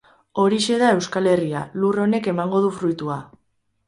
Horixe da Euskal Herria, lur honek emango du fruitua.